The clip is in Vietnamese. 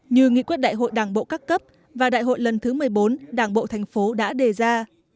như nghị quyết đại hội đảng bộ các cấp và đại hội lần thứ một mươi bốn đảng bộ thành phố đã đề ra